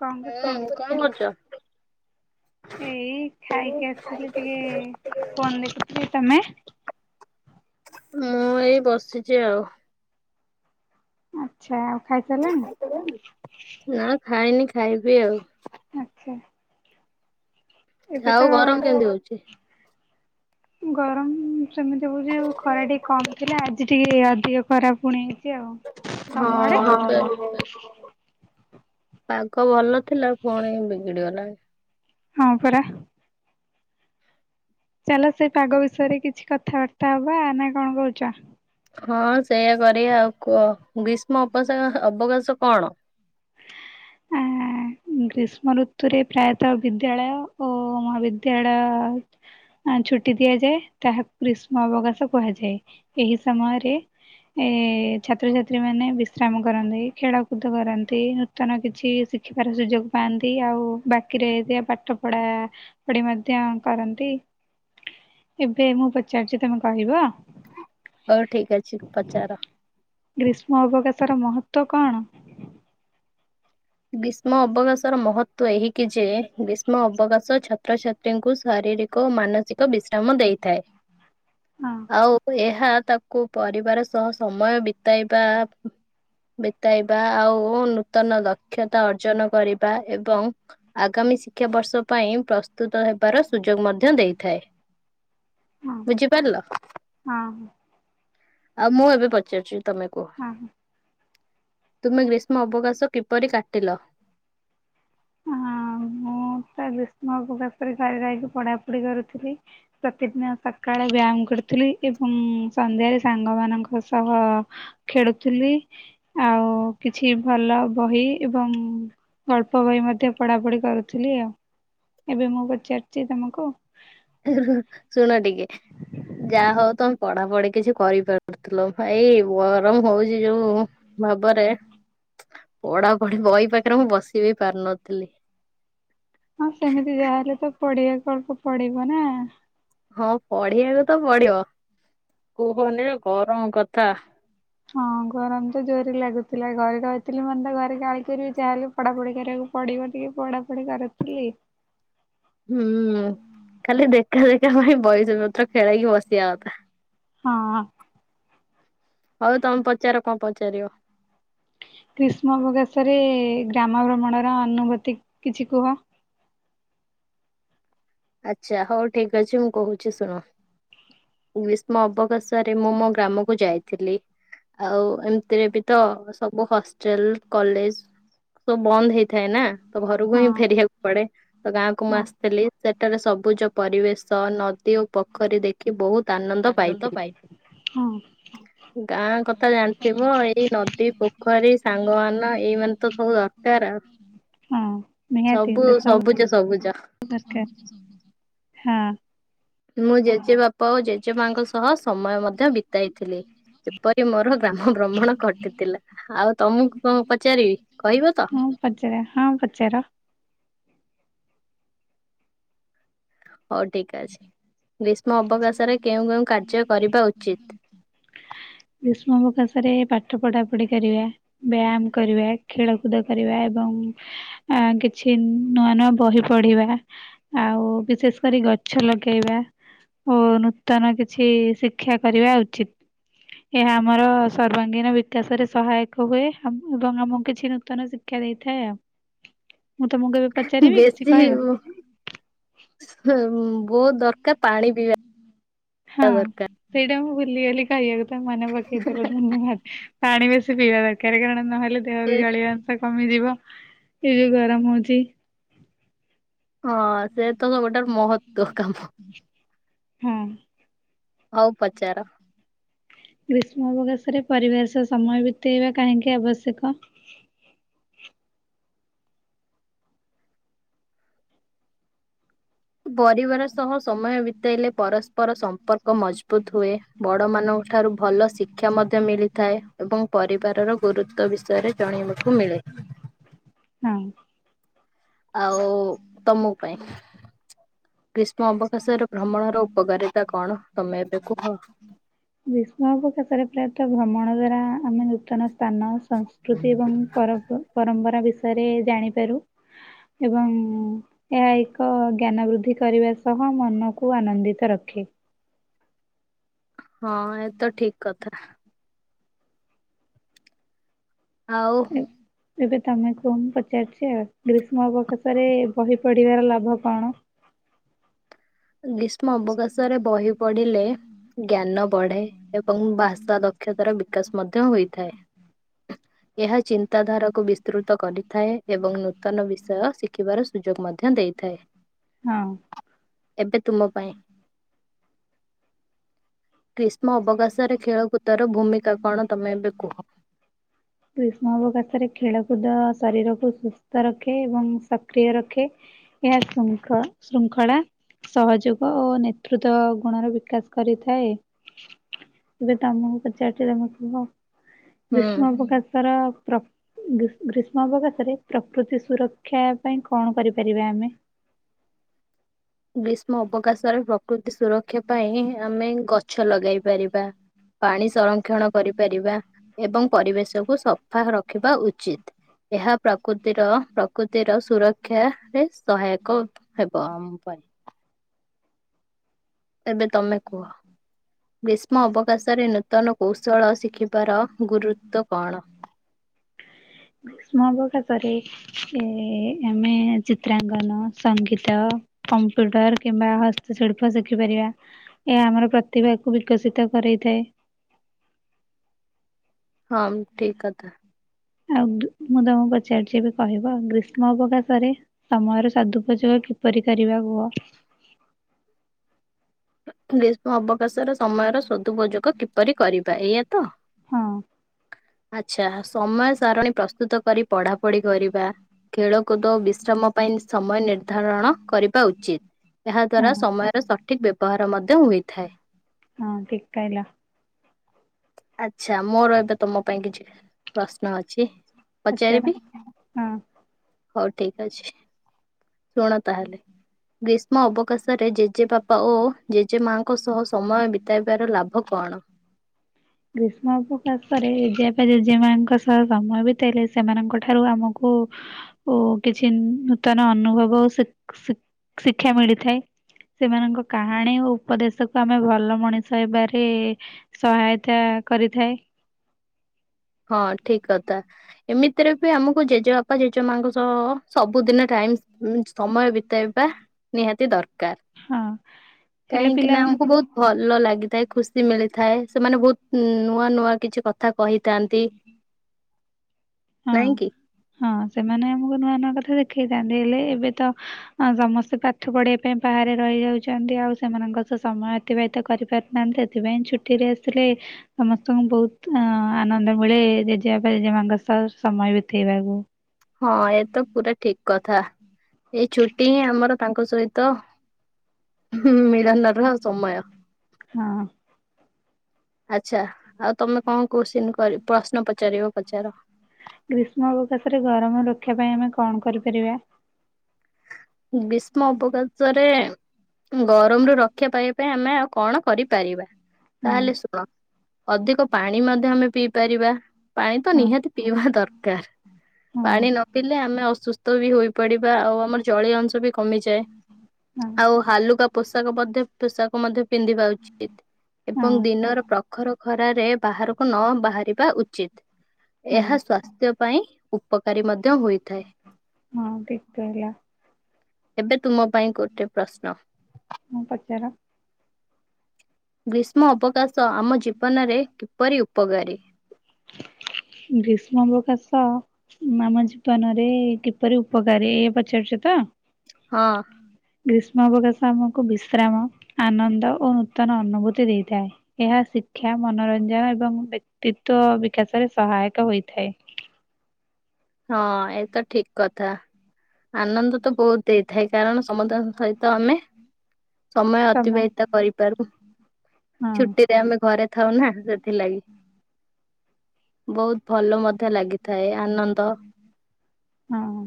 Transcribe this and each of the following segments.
କଣ ହୁଁ କରୁଛନ୍ତି କଣ କରୁଛ? ଏଇ ଖାଇକି ଆସିଥିଲି ଟିକେ ଫୋନ ଦେଖୁଥିଲି, ତମେ? ମୁଁ ଏଇ ବସିଛି ଆଉ। ଆଚ୍ଛା, ଆଉ ଖାଇସାରିଲେଣି? ନା ଖାଇନି ଖାଇବି ଆଉ। ଆଛା। ଏବେ ଆଉ ତ ଗରମ କେମିତି ହଉଛି? ଗରମ ସେମିତି ହଉଛି, ଖରା ଟିକେ କମ ଥିଲା ଆଜି ଟିକେ ଅଧିକ ଖରା ପୁଣି ହେଇଛି ଆଉ, ତମ ହଁ ଆଡେ? ଏବେ ପାଗ ଭଲ ଥିଲା ପୁଣି ବିଗିଡି ଗଲାଣି। ହଁ ପରା। ଚାଲ ସେ ପାଗ ବିଷୟରେ କିଛି କଥାବାର୍ତ୍ତା ହବା ନା କଣ କହୁଛ। ହଁ ସେଇୟା କରିବା ଆଉ, କୁହ ଗ୍ରୀଷ୍ମ ଅପସାର ଅବକାଶ କଣ? ଆଁ ଗ୍ରୀଷ୍ମ ଋତୁରେ ପ୍ରାୟତଃ ବିଦ୍ୟାଳୟ ଓ ମହାବିଦ୍ୟାଳୟ ଛୁଟି ଦିଆଯାଏ ତାହାକୁ ଗ୍ରୀଷ୍ମ ଅବକାଶ କୁହାଯାଏ, ଏହି ସମୟରେ ଏ ଛାତ୍ରଛାତ୍ରୀ ମାନେ ବିଶ୍ରାମ କରନ୍ତି, ଖେଳକୁଦ କରନ୍ତି, ନୂତନ କି କିଛି ଶିଖିବାର ସୁଯୋଗ ପାଆନ୍ତି ଆଉ ବାକିରେ ଯେ ପାଠପଢ଼ା ଖୁଡ଼ି ମଧ୍ୟ କରନ୍ତି। ଏବେ ମୁଁ ପଚାରୁଚି ତମେ କହିବ? ହୋଉ ଠିକ ଅଛି ପଚାର। ଗ୍ରୀଷ୍ମ ଅବକାଶର ମହତ୍ବ କଣ? ଗ୍ରୀଷ୍ମ ଅବକାଶର ମହତ୍ଵ ଏହି କି ଯେ ଗ୍ରୀଷ୍ମ ଅବକାଶ ଛାତ୍ରଛାତ୍ରୀ [unintelligible] ଶାରୀରିକ ଓ ମାନସିକ ବିଶ୍ରାମ ଦେଇଥାଏ। [inaudible] ଆଉ ଏହା ତାକୁ ପରିବାର ସହ ସମୟ ବିତେଇବା ବିତାଇବା ଆଉ ନୂତନ ଦକ୍ଷତା ଅର୍ଜନ କରିବା ଏବଂ ଆଗାମୀ ଶିକ୍ଷାବର୍ଷ ପାଇଁ ପ୍ରସ୍ତୁତ ହେବାର ସୁଯୋଗ ମଧ୍ୟ ଦେଇଥାଏ। ହଁ ବୁଝିପାରିଲ? ହଁ ଆଉ ମୁଁ ଏବେ ପଚାରୁଚି। ତମକୁ ହଁ। ତୁମେ ଗ୍ରୀଷ୍ମ ଅବକାଶ କିପରି କାଟିଲ? ହଁ ମୁଁ ତ ଗ୍ରୀଷ୍ମ [unintelligible] ସ୍ୟାଡ ଯାଇକି ପଢା ପଢି କରୁଥିଲି। ପ୍ରତିଦିନ ସକାଳେ ବ୍ୟାୟାମ କରୁଥିଲି, ଏବଂ ସନ୍ଧ୍ୟାରେ ସାଙ୍ଗମାନଙ୍କ ସହ ଖେଳୁ ଥିଲି। ଆଉ କିଛି ଭଲ ବହି ଏବଂ ଗଳ୍ପ ବହି ମଧ୍ୟ ପଢାପଢି କରୁ ଥିଲି ଆଉ ଏବେ ମୁଁ ପଚାରଛି ତମକୁ? ଶୁଣ ଟିକେ। ଯାହା ହଉ ତମେ ପଢାପଢି କିଛି କରିପାରୁଥିଲ ଏଇ ଗରମ ହଉଛି ଯୋଉ ଭାବରେ ପଢାପଢି ବହି ପାଖରେ ମୁଁ ବସିବି ପାରୁନଥିଲି। ହଁ ସେମିତି ଯାହାହଲେ ତ ପଢ଼ିବା କୁ ଅଳ୍ପ ପଡିବ ନା। ହଁ ପଢିବାକୁ ତ ପଡିବ, କୁହନି ଗରମ କଥା ହଁ ଗରମ ତ ଜୋରରେ ଲାଗୁଥିଲା ଘରେ ରଥିଲି ମତେ ଘରେ ଗାଳି କରିବେ ଯାହାହେଲେ ପଢାପଢି କରିବାକୁ ପଡିବ ଟିକେ, ପଢାପଢି କରୁଥିଲି। ହୁଁ ଖାଲି ଦେଖା ଦେଖା ପାଇଁ ବହି ପତ୍ର ଖେଳେଇକି ବସିବାକଥା। ହଁ। ହଉ ତମେ ପଚାର କଣ ପଚାରିବ? ଗ୍ରୀଷ୍ମ ଅବକାଶରେ ଗ୍ରାମ ଭ୍ରମଣ ର ଅନୁଭୂତି କିଛି କୁହ। ଆଚ୍ଛା ହଉ ଠିକ ଅଛି ମୁଁ କହୁଛି ଶୁଣ ଗ୍ରୀଷ୍ମ ଅବକାଶରେ ମୁଁ ମୋ ଗ୍ରାମକୁ ଯାଇଥିଲି ଆଉ ଏମ ତେବେତ ସବୁ ହଷ୍ଟେଲ କଲେଜ ସବୁ ବନ୍ଦ ହେଇ ଥାଏ ନା ତ ଘରକୁ ହଁ ହିଁ ଫେରିବାକୁ ପଡେ, ତ ଗାଁକୁ ମୁଁ ହଁ ଆସିଥିଲି। ସେଠାରେ ସବୁଜ ପରିବେଶ ନଦୀ ଓ ପ କରି ଦେଖି ବହୁତ ଆନନ୍ଦ ପାଇଥିଲି। ହଁ ଗାଁ କଥା ଜାଣିଥିବ ଏଇ ନଦୀ ପୋଖ ପୋଖରୀ ସାଙ୍ଗ ମାନ ଏଇ ମାନ ତ ସବୁ ଦରକାର ଆଉ। ହଁ ନିହାତି ସେ ସବୁ ସବୁଜ ସବୁଜ। ଦରକାର। ହଁ। ମୁଁ ଜେଜେ ବାପା ଓ ଜେଜେ ମାଙ୍କ ସହ ସମୟ ମଧ୍ୟ ବିତାଇଥିଲି। ଏପରି ମୋର ଗ୍ରାମ ବ୍ରହମଣ ଘଟିଥିଲା ଆଉ ତମକୁ କଣ ପଚାରିବି କହିବ ତ? ହଁ ପଚାର ହଁ ପଚାର। ହଉ ଠିକ ଅଛି ଗ୍ରୀଷ୍ମ ଅବକାଶରେ କେଉଁ କେଉଁ କାର୍ଯ୍ୟ କରିବା ଉଚିତ? ଗ୍ରୀଷ୍ମ ଅବକାଶ ରେ ପାଠ ପଢାପଢି କରିବା। ବ୍ୟାୟାମ କରିବା ଖେଳକୁଦ କରିବା ଏବଂ ଅ କିଛି ନୂଆ ନୂଆ ବହି ପଢିବା ଆଉ ବିଶେଷ କରି ଗଛ ଗଛ ଲଗେଇବା ଓ ନୂତନ କିଛି ଶିକ୍ଷା କରିବା ଉଚିତ୍। ଏହା ଆମର ସର୍ବାଙ୍ଗୀନ ବିକାଶରେ ସହାୟକ ହୁଏ ଏବଂ ଆମ କିଛି ନୂତନ ଶିକ୍ଷ ଶିକ୍ଷା ଦେଇଥାଏ ଆଉ ମୁଁ ତମକୁ ଅବ୍ ବେଶୀ ହେଇବ। ବହୁତ ଦରକାର ପାଣି ପିଇବା ହଁ ପିବା ଦରକାର। ସେଇଟା ମୁଁ ଭୁଲିଗଲି କହିବାକୁ ତମେ ମନେ ପକେଇଦେଲ। ଧନ୍ୟବାଦ ପାଣି ବେଶୀ ପିଇବା ଦରକାର କାରଣ ନହେଲେ ଦେହରୁ ଜଳୀୟ କମିଯିବ ଏ ଯୋଉ ଗରମ ହଉଛି। ହଁ ସେ ତ ସେତେକ ଗୋଟେ ମହତ୍ୱ କାମ। ହଁ ହଉ ପଚାର ଗ୍ରୀଷ୍ମ ଅବକାଶରେ ପରିବାର ସହ ସମୟ ବିତେଇବା କାହିଁକି ଆବଶ୍ୟକ? ପରିବାର ସହ ସମୟ ବିତେଇଲେ ପରସ୍ପର ସମ୍ପର୍କ ଓ ମଜବୁତ ହୁଏ ବଡ ମାନଙ୍କ ଠାରୁ ଭଲ ଶିକ୍ଷା ମଧ୍ୟ ମିଳି ଥାଏ ଏବଂ ପରିବାରର ଗୁରୁତ୍ୱ ବିଷୟରେ ଜଣିବାକୁ ମିଳେ। ହଁ ଆଉ ତମ ପାଇଁ ଗ୍ରୀଷ୍ମ ଅବକାଶରେ ଭ୍ରମଣର ଉପକାରିତା କଣ ତମେ ଏବେ କୁହ। ଗ୍ରୀଷ୍ମ ଅବକାଶରେ ପ୍ରାୟତଃ ଭ୍ରମଣ ଦ୍ଵାରା ଆମେ ନୂତନ ସ୍ଥାନ। ସଂସ୍କୃତି ଏବଂ ପର ପରମ୍ପରା ବିଷୟରେ ଜାଣିପାରୁ। ଏବଂ ଏହା ଏକ ଜ୍ଞାନ ବୃଦ୍ଧି କରିବା ସହ ମନକୁ ଆନନ୍ଦିତ ରଖେ। ହଁ ଏତ ଠିକ କଥା। ଆଉ ହୁଁ ଏବେ ତମେ କୁହ ମୁଁ ପଚାରୁଛି ଆଉ ଗ୍ରୀଷ୍ମ ଅବକାଶରେ ବହି ପଢିବାର ଲାଭ କଣ? ଗ୍ରୀଷ୍ମ ଅବକାଶରେ ବହି ପଢିଲେ ଜ୍ଞାନ ବଢେ ଏବଂ ଭାଷା ଦକ୍ଷତାର ବିକାଶ ମଧ୍ୟ ହୋଇଥାଏ। ହଁ ଏହା ଚିନ୍ତାଧାରାକୁ ବିସ୍ତୃତ କରିଥାଏ ଏବଂ ନୂତନ ବିଷୟ ଶିଖିବାର ସୁଯୋଗ ମଧ୍ୟ ଦେଇଥାଏ। ହଁ ଏବେ ତୁମ ପାଇଁ ଗ୍ରୀଷ୍ମ ଅବକାଶରେ ଖେଳକୁଦର ଭୂମିକା କଣ ତମେ ଏବେ କୁହ। ଗ୍ରୀଷ୍ମ ଅବକାଶରେ ଖେଳକୁଦ ଶରୀରକୁ ସୁସ୍ଥ ରଖେ ଏବଂ ସକ୍ରିୟ ରଖେ। ଏହା ଶୃଙ୍ଖଳା ସହଯୋଗ ଓ ନେତୃତ୍ୱ ଗୁଣର ବିକାଶ କରିଥାଏ। ଏବେ ତମକୁ ପଚାରୁଚି ତମେ କୁହ ହୁଁ। ଗ୍ରୀଷ୍ମ ଅବକାଶ ପ୍ [inaudible] ଗ୍ରୀଷ୍ମ ଅବକାଶରେ ପ୍ରକୃତି ସୁରକ୍ଷା ପାଇଁ କଣ କରିପାରିବା ଆମେ? ଗ୍ରୀଷ୍ମ ଅବକାଶରେ ପ୍ରକୃତି ସୁରକ୍ଷା ପାଇଁ ଆମେ ଗଛ ଲଗାଇ ପାରିବା। ପାଣି ସଂରକ୍ଷଣ କରିପାରିବା ଏବଂ ପରିବେଶକୁ ସଫା ରଖିବା ଉଚିତ। ଏହା ପ୍ରକୃତିର ପ୍ରକୃତିର ସୁରକ୍ଷାାରେରେ ସହାୟକ ହେବ। ପାଇଁ। ଏବେ ତମେ କୁହ ଗ୍ରୀଷ୍ମ ଅବକାଶରେ ନୂତନ କୌଶଳ ଶିଖିବାର ଗୁରୁତ୍ଵ କଣ? ମୋ ବୋଉ ତକରେ। ଏ ଆମେ ଚିତ୍ରାଙ୍କନ ସଙ୍ଗୀତ କମ୍ପ୍ୟୁଟର କିମ୍ବା ହସ୍ତଶିଳ୍ପ ଶିଖିପାରିବା। ଏହା ଆମର ପ୍ରତିଭାକୁ ବିକଶିତ କରେଇଥାଏ। ହଁ ଠିକ୍ କଥା। ଆଉ ମୁଁ ତମକୁ ପଚାରୁଛି ବି କହିବ ଗ୍ରୀଷ୍ମ ଅବକାଶ ରେ ସମୟର ସଦୁପଯୋଗ କିପରି କରିବା କୁହ? ଗ୍ରୀଷ୍ମ ଅବକାଶର ସମୟର ସଦୁପଯୋଗ କିପରି କରିବା ଏଇୟା ତ। ହଁ। ଆଚ୍ଛା ସମୟ ସାରଣୀ ପ୍ରସ୍ତୁତ କରି ପଢାପଢି କରିବା। ଖେଳକୁଦ ବିଶ୍ରାମ ପାଇଁ ସମୟ ନିର୍ଦ୍ଧାରଣ କରିବା ଉଚିତ। ଏହା ହଁ ଦ୍ବାରା ସମୟର ସଠିକ ବ୍ୟବହାର ମଧ୍ୟ ହୋଇଥାଏ। ହଁ ଠିକ କହିଲ ଆଛା ମୋର ଏବେ ତମ ପାଇଁ କିଛି ପ୍ରଶ୍ନ ଅଛି। ପଚାର ପଚାରିବି ହଁ। ହଉ ଠିକ୍ ଅଛି। ଶୁଣ ତାହେଲେ ଗ୍ରୀଷ୍ମ ଅବକାଶରେ ଜେଜେବାପା ଓ ଜେଜେ ମାଙ୍କ ସହ ସମୟ ବିତାଇବାର ଲାଭ କଣ। ଗ୍ରୀଷ୍ମ ଅବକାଶରେ ଜେଜେବାପା ଜେଜେମାନଙ୍କ ସହ ସମୟ ବିତେଇଲେ ସେମାନଙ୍କ ଠାରୁ ଆମକୁ ଓ କିଛି ନୂତନ ଅନୁଭବ ଶିଖ୍ ଶିକ୍ଷା ମିଳିଥାଏ। ସେମାନଙ୍କ କାହାଣୀ ଓ ଉପଦେଶକୁୁ ଆମେ ଭଲ ମଣିଷ ହେବାରେ ସହାୟତା ସେଇୟା କରିଥାଏ। ହଁ ଠିକ୍ କଥା। ଏମିତିରେ ବି ଆମକୁ ଜେଜେବାପା ଜେଜେ ମାଙ୍କ ସହ ସବୁଦିନ ଟାଇମ ସମୟ ବିତେଇବା। ନିହାତି ଦରକାର ହଁ ହେଲେ କାହିଁକି ନା ପିଲାମାନେ ଆମକୁ ବହୁତ ଭଲ ଲାଗିଥାଏ ଖୁସି ମିଳିଥାଏ ସେମାନେ ବହୁତ ନୂଆ ନୂଆ କିଛି କଥା କହି କ୍ରାନ୍ତି। ହଁ ନାଇଁ କି। ହଁ ସେମାନେ ଆମକୁ ନୂଆ ନୂଆ କଥା ଦେଖେଇଥାନ୍ତି ହେଲେ ଏବେ ତ ଅ ସମସ୍ତେ ପାଠ ପଢିବା ପାଇଁ ବାହାରେ ରହିଯାଉଛନ୍ତି ଆଉ ସେମାନଙ୍କ ସହ ସମୟ ଅତିବାହିତ କରିପାରୁନାହାନ୍ତି ସେଥିପାଇଁ ଛୁଟିରେ ଆସିଲେ ସମସ୍ତଙ୍କୁ ବହୁତ ଅ ଆନନ୍ଦ ମିଳେ ଜେଜେବାପା ଜେଜେମାଙ୍କ ସହ ସମୟ ବିଥେଇବାକୁ। ହଁ ଏ ତ ପୁରା ଠିକ କଥା ଏଇ ଛୁଟି ହିଁ ଆମର ତାଙ୍କ ସହିତ ହୁଁ ମେରା ନରହ ସମୟ। ହଁ ଆଛା ଆଉ ତମେ କ କୋଶ୍ଚେନ୍ କରି ପ୍ରଶ୍ନ ପଚାରିବ ପଚାର? ଗ୍ରୀଷ୍ମ ଅବକାଶରେ ଗରମ ରକ୍ଷା ପାଇବା ପାଇଁ ଆମେ କଣ କରିପାରିବା? ଗୀସ୍ମ ଅବକାଶରେ ଗରମ ରୁ ରକ୍ଷା ପାଇବା ପାଇଁ ଆମେ ଆଉ କଣ କରିପାରିବା। ହଁ ତାହେଲେ ଶୁଣ ଅଧିକ ପାଣି ମଧ୍ୟ ଆମେ ପିଇପାରିବା। ପାଣି ତ ହଁ ନିହାତି ପିଇହିବା ଦରକାର ହଁ ପାଣି ନ ପିଇଲେ ଆମେ ଅସୁସ୍ ସ୍ତୁ ହି ବି ହୋଇପଡିବା ଆଉ ଆମର ଜଳୀୟ ଅଂଶ ବି କମିଯାଏ ହଁ ଆଉ ହାଲୁକା ପୋଷାକ ମଧ୍ୟ ପୋଷାକ ମଧ୍ୟ ପିନ୍ଧିବା ଉଚିତ। ହଁ ଏବଂ ଦିନର ପ୍ରଖର ଖରାରେ ବାହାରକୁ ନ ବାହାରିବା ଉଚିତ। ହଁ ଏହା ସ୍ଵାସ୍ଥ୍ୟ ପାଇଁ ଉପକାରୀ ମଧ୍ୟ ହୋଇଥାଏ। ହଁ ଠିକ୍ କହିଲା। ଏବେ ତୁମ ପାଇଁ ଗୋଟେ ପ୍ରଶ୍ନ। ହଁ ପଚାର। ଗ୍ରୀଷ୍ମ ଅବକାଶ ଆମ ଜୀବନରେ କିପରି ଉପକାରୀ? ଗ୍ରୀଷ୍ମ ଅବକାଶ ମାମ ଜୀବନରେ କିପରି ଉପକାରୀ ଏଇଏ ପଚାରୁଛ ତ? ହଁ। ଗ୍ରୀଷ୍ମ ଅବକାଶ ଆମକୁ ବିଶ୍ରାମ ଆନନ୍ଦ ଓ ନୂତନ ଅନୁଭୂତି ଦେଇଥାଏ। ଏହା ଶିକ୍ଷା ମନୋରଞ୍ଜନ ଏବଂ ବ୍ୟକ୍ତିତ୍ଵ ବିକାଶରେ ସହାୟକ ହୋଇଥାଏ। ହଁ ଏତ ଠିକ କଥା। ଆନନ୍ଦ ତ ବହୁତ ଦେଇଥାଏ କାରଣ ସମଦ ସହିତ ଆମେ ସମୟ ତମ ଅତିବାହିତ କରିପାରୁ ହଁ ଛୁଟିରେ ଆମେ ଘରେ ଥାଉ ନା ସେଥିଲାଗି। ବହୁତ ଭଲ ମଧ୍ୟ ଲାଗିଥାଏ ଆନନ୍ଦ ହଁ।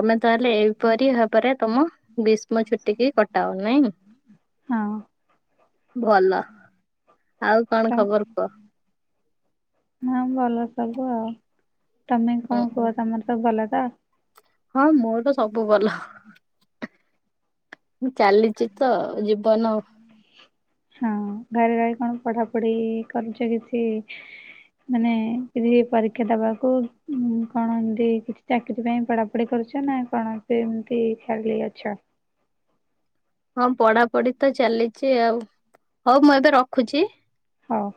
ତମେ ତାହେଲେ ଏଇପରି ଭାବରେ ତମ ଗ୍ରୀଷ୍ମ ଛୁଟିକି କଟାଅ ନାଇଁ? ହଁ। ଭଲ ଆଉ ତ କଣ ଖବର କୁହ? ହଁ ଭଲ ସବୁ ଆଉ ତମେ କଣ ହୁଁ କୁହ ତମର ସବୁ ଭଲ ତ? ହଁ ମୋର ତ ସବୁ ଭଲ। ଚାଲିଚି ତ ଜୀବନ। ହଁ ଘରେ ରହି କଣ ପଢ଼ାପଢ଼ି କରୁଚ କିଛି? ମାନେ କିଛି ପରୀକ୍ଷା ଦବାକୁ ଉମ୍ କଣ ଏମିତି କିଛି? ଚାକିରି ପାଇଁ ପଢ଼ାପଢ଼ି କରୁଛ ନା କଣ ସେମତି ଖାଲି ଅଛ? ହଁ ପଡ଼ାପଢ଼ି ତ ଚାଲିଛି ଆଉ ହଉ ମୁଁ ଏବେ ରଖୁଚି। ହଉ।